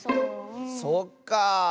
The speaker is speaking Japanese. そっか。